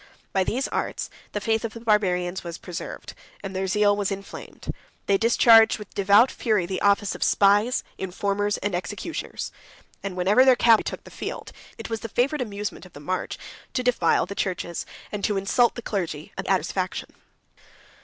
By these arts, the faith of the Barbarians was preserved, and their zeal was inflamed: they discharged, with devout fury, the office of spies, informers, or executioners; and whenever their cavalry took the field, it was the favorite amusement of the march to defile the churches, and to insult the clergy of the adverse faction.